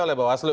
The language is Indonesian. oleh pak waslu